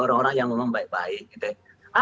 orang orang yang memang baik baik gitu ya